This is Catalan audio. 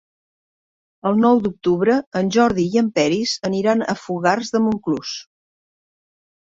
El nou d'octubre en Jordi i en Peris aniran a Fogars de Montclús.